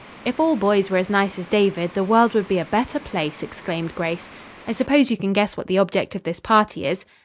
"If all boys were as nice as David the world would be a better place!" exclaimed Grace. "I suppose you can guess what the object of this party is."